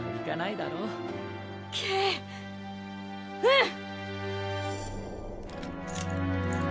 うん！